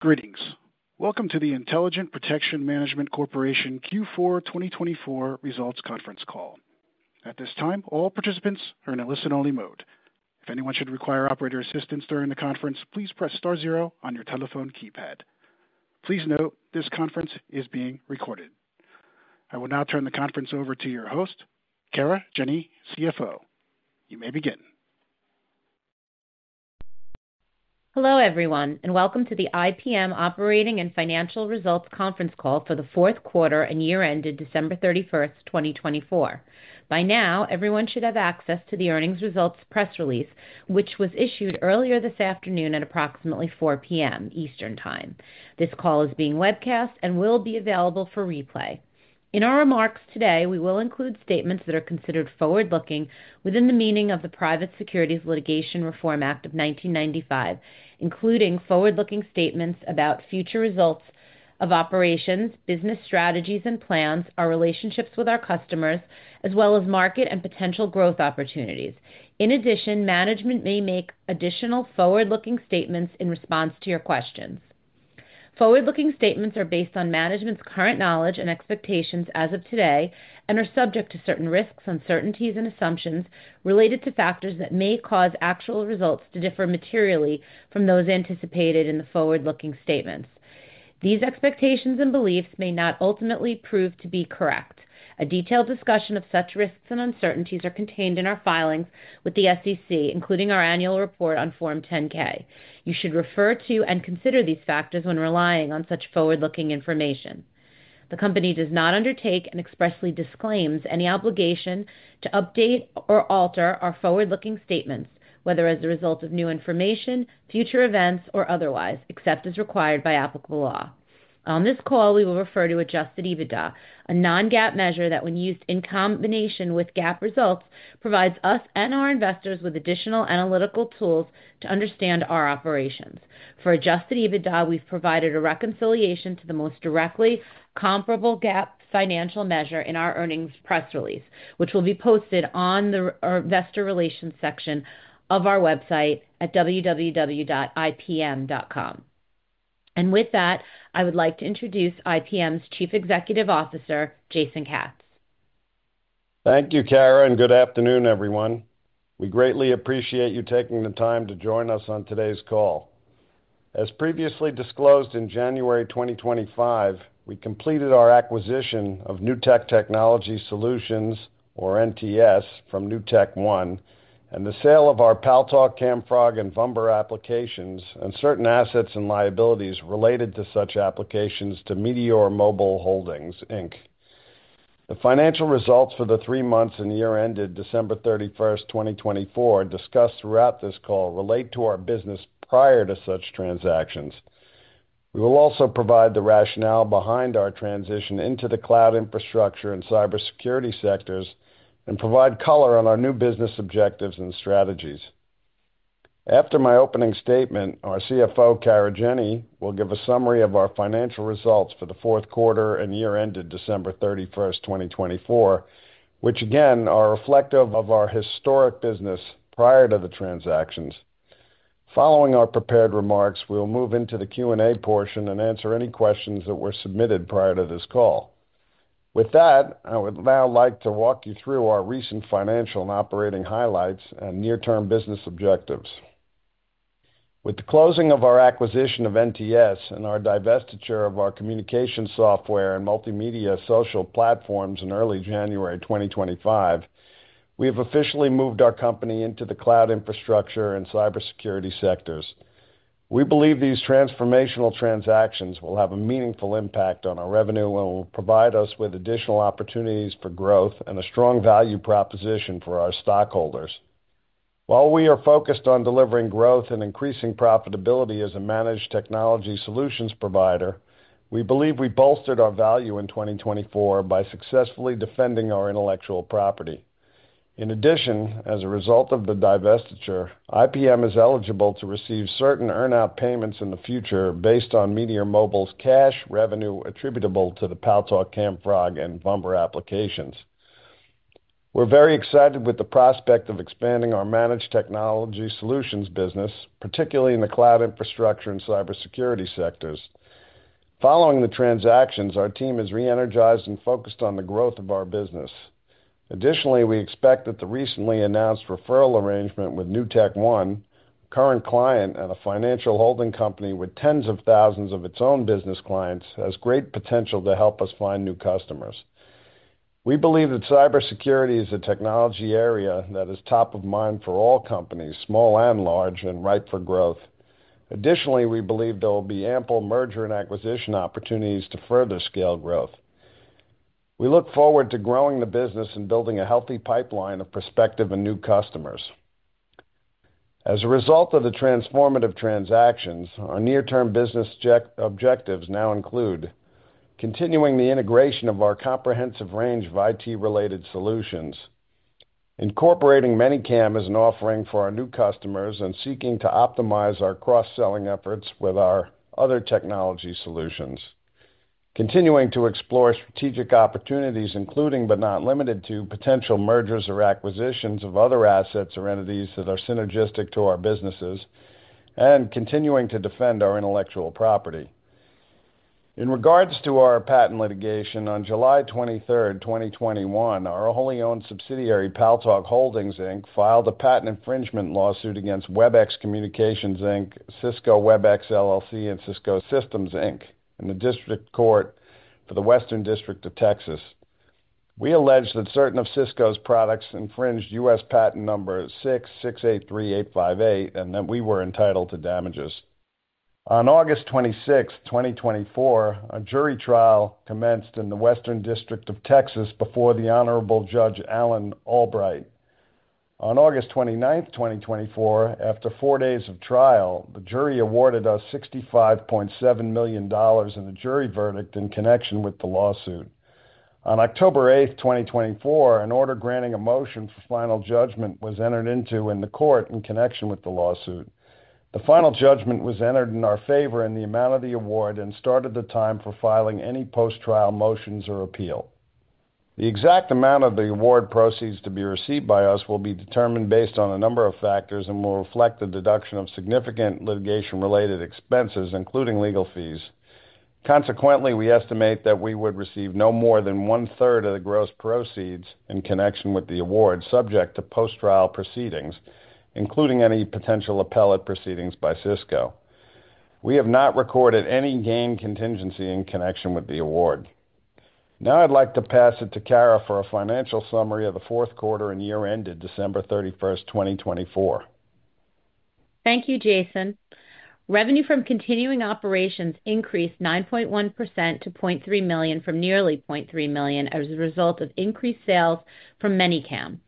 Greetings. Welcome to the Intelligent Protection Management Corporation Q4 2024 results conference call. At this time, all participants are in a listen-only mode. If anyone should require operator assistance during the conference, please press star zero on your telephone keypad. Please note this conference is being recorded. I will now turn the conference over to your host, Kara Jenny, CFO. You may begin. Hello, everyone, and welcome to the IPM operating and financial results conference call for the fourth quarter and year ended December 31st, 2024. By now, everyone should have access to the earnings results press release, which was issued earlier this afternoon at approximately 4:00 P.M. Eastern Time. This call is being webcast and will be available for replay. In our remarks today, we will include statements that are considered forward-looking within the meaning of the Private Securities Litigation Reform Act of 1995, including forward-looking statements about future results of operations, business strategies and plans, our relationships with our customers, as well as market and potential growth opportunities. In addition, management may make additional forward-looking statements in response to your questions. Forward-looking statements are based on management's current knowledge and expectations as of today and are subject to certain risks, uncertainties, and assumptions related to factors that may cause actual results to differ materially from those anticipated in the forward-looking statements. These expectations and beliefs may not ultimately prove to be correct. A detailed discussion of such risks and uncertainties is contained in our filings with the SEC, including our annual report on Form 10-K. You should refer to and consider these factors when relying on such forward-looking information. The company does not undertake and expressly disclaims any obligation to update or alter our forward-looking statements, whether as a result of new information, future events, or otherwise, except as required by applicable law. On this call, we will refer to Adjusted EBITDA, a non-GAAP measure that, when used in combination with GAAP results, provides us and our investors with additional analytical tools to understand our operations. For Adjusted EBITDA, we've provided a reconciliation to the most directly comparable GAAP financial measure in our earnings press release, which will be posted on the investor relations section of our website at www.ipm.com. I would like to introduce IPM's Chief Executive Officer, Jason Katz. Thank you, Kara, and good afternoon, everyone. We greatly appreciate you taking the time to join us on today's call. As previously disclosed in January 2025, we completed our acquisition of Newtek Technology Solutions, or NTS, from NewtekOne, and the sale of our Paltalk, Camfrog, and Vumber applications, and certain assets and liabilities related to such applications to Meteor Mobile Holdings. The financial results for the three months and year ended December 31st, 2024, discussed throughout this call relate to our business prior to such transactions. We will also provide the rationale behind our transition into the cloud infrastructure and cybersecurity sectors and provide color on our new business objectives and strategies. After my opening statement, our CFO, Kara Jenny, will give a summary of our financial results for the fourth quarter and year ended December 31st, 2024, which, again, are reflective of our historic business prior to the transactions. Following our prepared remarks, we'll move into the Q&A portion and answer any questions that were submitted prior to this call. With that, I would now like to walk you through our recent financial and operating highlights and near-term business objectives. With the closing of our acquisition of Newtek Technology Solutions and our divestiture of our communication software and multimedia social platforms in early January 2025, we have officially moved our company into the cloud infrastructure and cybersecurity sectors. We believe these transformational transactions will have a meaningful impact on our revenue and will provide us with additional opportunities for growth and a strong value proposition for our stockholders. While we are focused on delivering growth and increasing profitability as a managed technology solutions provider, we believe we bolstered our value in 2024 by successfully defending our intellectual property. In addition, as a result of the divestiture, IPM is eligible to receive certain earn-out payments in the future based on Meteor Mobile's cash revenue attributable to the Paltalk, Camfrog, and Vumber applications. We're very excited with the prospect of expanding our managed technology solutions business, particularly in the cloud infrastructure and cybersecurity sectors. Following the transactions, our team is re-energized and focused on the growth of our business. Additionally, we expect that the recently announced referral arrangement with NewtekOne, current client at a financial holding company with tens of thousands of its own business clients, has great potential to help us find new customers. We believe that cybersecurity is a technology area that is top of mind for all companies, small and large, and ripe for growth. Additionally, we believe there will be ample merger and acquisition opportunities to further scale growth. We look forward to growing the business and building a healthy pipeline of prospective and new customers. As a result of the transformative transactions, our near-term business objectives now include continuing the integration of our comprehensive range of IT-related solutions, incorporating ManyCam as an offering for our new customers, and seeking to optimize our cross-selling efforts with our other technology solutions. Continuing to explore strategic opportunities, including but not limited to potential mergers or acquisitions of other assets or entities that are synergistic to our businesses, and continuing to defend our intellectual property. In regards to our patent litigation, on July 23rd, 2021, our wholly owned subsidiary Paltalk Holdings, Inc. filed a patent infringement lawsuit against WebEx Communications, Cisco WebEx LLC, and Cisco Systems, in the District Court for the Western District of Texas. We allege that certain of Cisco's products infringed U.S. Patent Number 6,683,858 and that we were entitled to damages. On August 26th, 2024, a jury trial commenced in the Western District of Texas before the Honorable Judge Alan Albright. On August 29th, 2024, after four days of trial, the jury awarded us $65.7 million in a jury verdict in connection with the lawsuit. On October 8th, 2024, an order granting a motion for final judgment was entered into in the court in connection with the lawsuit. The final judgment was entered in our favor in the amount of the award and started the time for filing any post-trial motions or appeal. The exact amount of the award proceeds to be received by us will be determined based on a number of factors and will reflect the deduction of significant litigation-related expenses, including legal fees. Consequently, we estimate that we would receive no more than 1/3 of the gross proceeds in connection with the award, subject to post-trial proceedings, including any potential appellate proceedings by Cisco. We have not recorded any gain contingency in connection with the award. Now I'd like to pass it to Kara for a financial summary of the fourth quarter and year ended December 31st, 2024. Thank you, Jason. Revenue from continuing operations increased 9.1% to $0.3 million from nearly $0.3 million as a result of increased sales from ManyCam,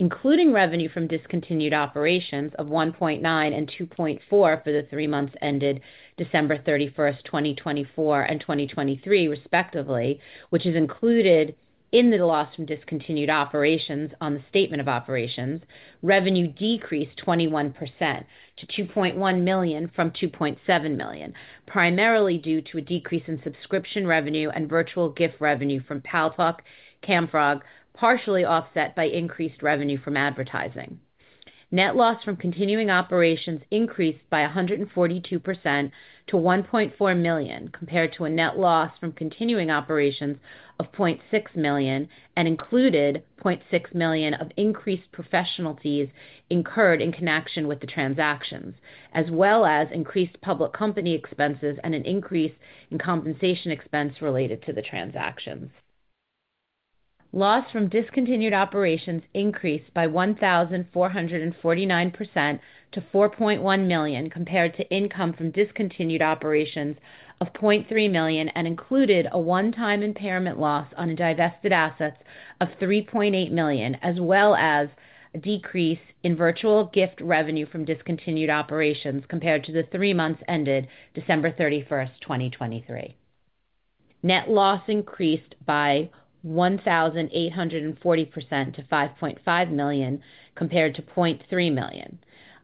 including revenue from discontinued operations of $1.9 million and $2.4 million for the three months ended December 31, 2024 and 2023, respectively, which is included in the loss from discontinued operations on the statement of operations. Revenue decreased 21% to $2.1 million from $2.7 million, primarily due to a decrease in subscription revenue and virtual gift revenue from Paltalk and Camfrog, partially offset by increased revenue from advertising. Net loss from continuing operations increased by 142% to $1.4 million, compared to a net loss from continuing operations of $0.6 million and included $0.6 million of increased professional fees incurred in connection with the transactions, as well as increased public company expenses and an increase in compensation expense related to the transactions. Loss from discontinued operations increased by 1,449% to $4.1 million, compared to income from discontinued operations of $0.3 million and included a one-time impairment loss on divested assets of $3.8 million, as well as a decrease in virtual gift revenue from discontinued operations compared to the three months ended December 31, 2023. Net loss increased by 1,840% to $5.5 million, compared to $0.3 million.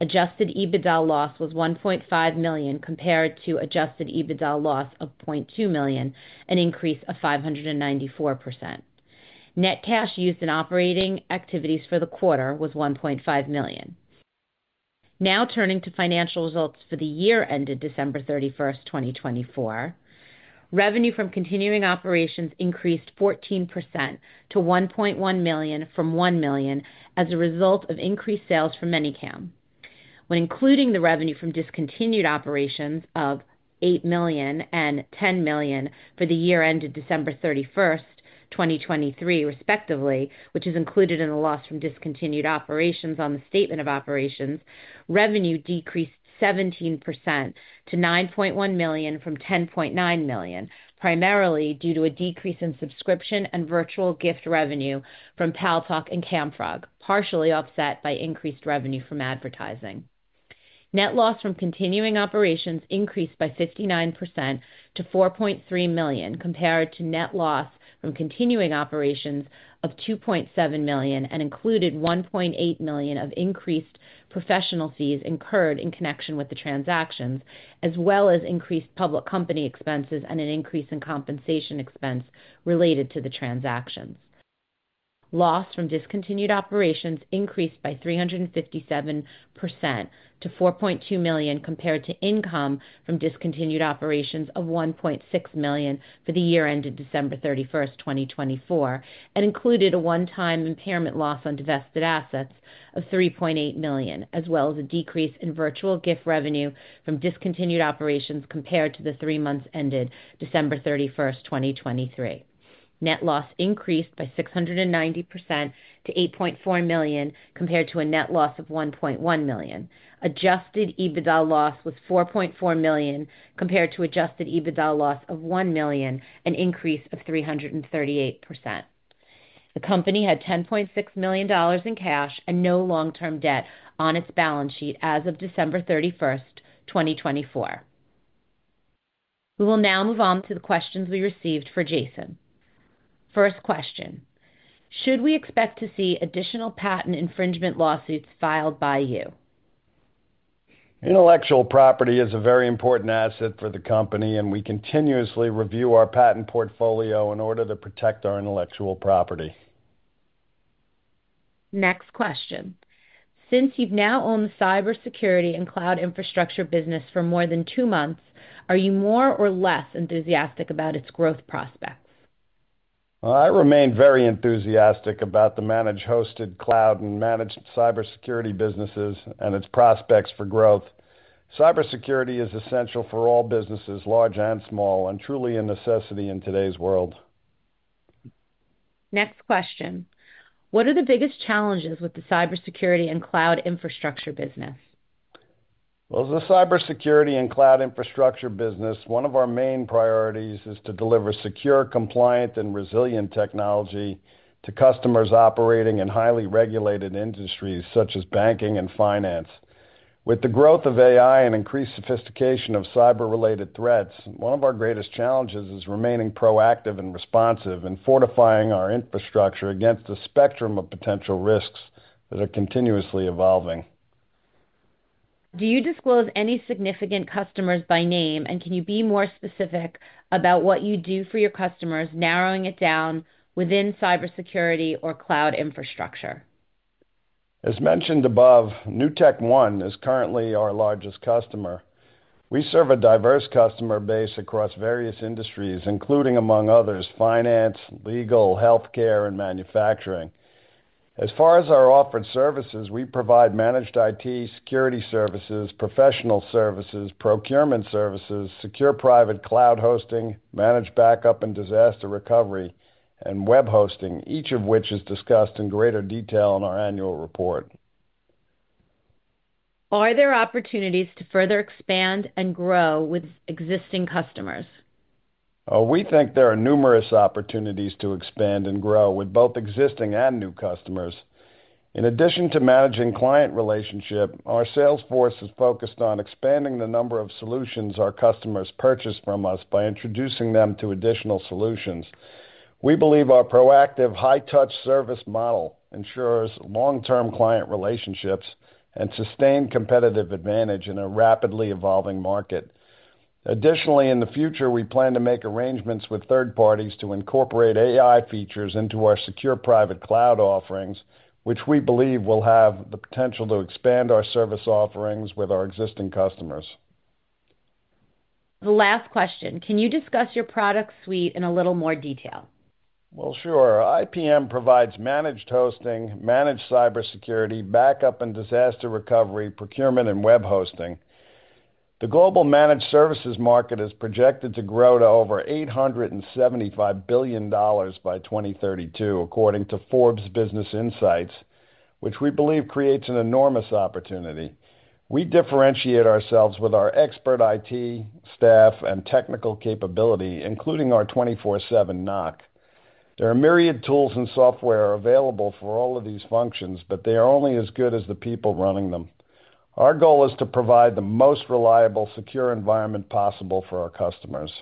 Adjusted EBITDA loss was $1.5 million, compared to Adjusted EBITDA loss of $0.2 million, an increase of 594%. Net cash used in operating activities for the quarter was $1.5 million. Now turning to financial results for the year ended December 31, 2024, revenue from continuing operations increased 14% to $1.1 million from $1 million as a result of increased sales for ManyCam. When including the revenue from discontinued operations of $8 million and $10 million for the year ended December 31st, 2023, respectively, which is included in the loss from discontinued operations on the statement of operations, revenue decreased 17% to $9.1 million from $10.9 million, primarily due to a decrease in subscription and virtual gift revenue from Paltalk and Camfrog, partially offset by increased revenue from advertising. Net loss from continuing operations increased by 59% to $4.3 million, compared to net loss from continuing operations of $2.7 million and included $1.8 million of increased professional fees incurred in connection with the transactions, as well as increased public company expenses and an increase in compensation expense related to the transactions. Loss from discontinued operations increased by 357% to $4.2 million, compared to income from discontinued operations of $1.6 million for the year ended December 31st, 2024, and included a one-time impairment loss on divested assets of $3.8 million, as well as a decrease in virtual gift revenue from discontinued operations compared to the three months ended December 31, 2023. Net loss increased by 690% to $8.4 million, compared to a net loss of $1.1 million. Adjusted EBITDA loss was $4.4 million, compared to Adjusted EBITDA loss of $1 million, an increase of 338%. The company had $10.6 million in cash and no long-term debt on its balance sheet as of December 31, 2024. We will now move on to the questions we received for Jason. First question, should we expect to see additional patent infringement lawsuits filed by you? Intellectual property is a very important asset for the company, and we continuously review our patent portfolio in order to protect our intellectual property. Next question, since you've now owned the cybersecurity and cloud infrastructure business for more than two months, are you more or less enthusiastic about its growth prospects? I remain very enthusiastic about the managed hosted cloud and managed cybersecurity businesses and its prospects for growth. Cybersecurity is essential for all businesses, large and small, and truly a necessity in today's world. Next question, what are the biggest challenges with the cybersecurity and cloud infrastructure business? As the cybersecurity and cloud infrastructure business, one of our main priorities is to deliver secure, compliant, and resilient technology to customers operating in highly regulated industries such as banking and finance. With the growth of AI and increased sophistication of cyber-related threats, one of our greatest challenges is remaining proactive and responsive in fortifying our infrastructure against a spectrum of potential risks that are continuously evolving. Do you disclose any significant customers by name, and can you be more specific about what you do for your customers, narrowing it down within cybersecurity or cloud infrastructure? As mentioned above, NewtekOne is currently our largest customer. We serve a diverse customer base across various industries, including, among others, finance, legal, healthcare, and manufacturing. As far as our offered services, we provide managed IT, security services, professional services, procurement services, secure private cloud hosting, managed backup and disaster recovery, and web hosting, each of which is discussed in greater detail in our annual report. Are there opportunities to further expand and grow with existing customers? We think there are numerous opportunities to expand and grow with both existing and new customers. In addition to managing client relationships, our sales force is focused on expanding the number of solutions our customers purchase from us by introducing them to additional solutions. We believe our proactive, high-touch service model ensures long-term client relationships and sustained competitive advantage in a rapidly evolving market. Additionally, in the future, we plan to make arrangements with third parties to incorporate AI features into our secure private cloud offerings, which we believe will have the potential to expand our service offerings with our existing customers. The last question, can you discuss your product suite in a little more detail? IPM provides managed hosting, managed cybersecurity, backup and disaster recovery, procurement, and web hosting. The global managed services market is projected to grow to over $875 billion by 2032, according to Fortune Business Insights, which we believe creates an enormous opportunity. We differentiate ourselves with our expert IT staff and technical capability, including our 24/7 NOC. There are myriad tools and software available for all of these functions, but they are only as good as the people running them. Our goal is to provide the most reliable, secure environment possible for our customers.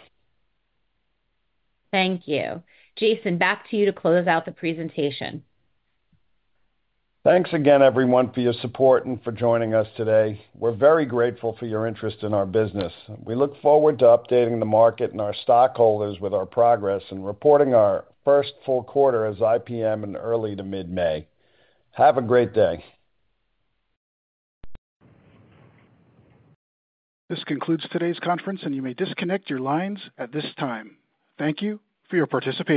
Thank you. Jason, back to you to close out the presentation. Thanks again, everyone, for your support and for joining us today. We're very grateful for your interest in our business. We look forward to updating the market and our stockholders with our progress and reporting our first full quarter as IPM in early to mid-May. Have a great day. This concludes today's conference, and you may disconnect your lines at this time. Thank you for your participation.